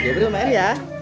ya berumah ya